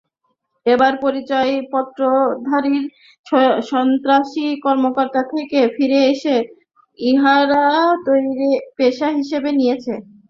এসব পরিচয়পত্রধারীই সন্ত্রাসী কর্মকাণ্ড থেকে ফিরে এসে ইয়াবা তৈরিকে পেশা হিসেবে নিয়েছেন।